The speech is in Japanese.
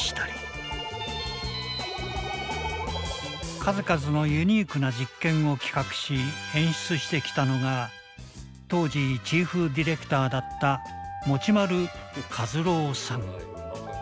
数々のユニークな実験を企画し演出してきたのが当時チーフディレクターだった持丸和朗さん。